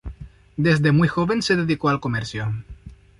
Desde muy joven se dedicó al comercio.